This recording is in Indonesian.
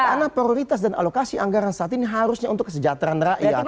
karena prioritas dan alokasi anggaran saat ini harusnya untuk kesejahteraan rakyat